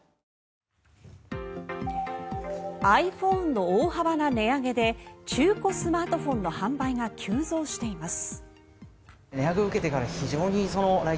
ｉＰｈｏｎｅの大幅な値上げで中古スマートフォンの販売が急増しています。